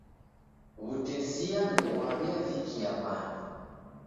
W'utesia ndoghwaw'iavikia w'andu.